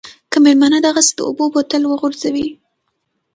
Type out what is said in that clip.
که مېلمانه دغسې د اوبو بوتل وغورځوي.